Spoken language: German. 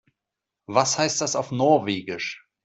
Was heißt das auf Norwegisch?